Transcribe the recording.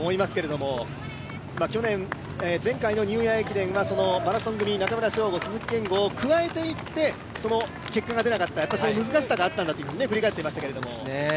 去年前回のニューイヤー駅伝はマラソン組、中村匠吾、鈴木健吾を加えていって結果が出なかった、難しさがあったんだと振り返っていましたけれども。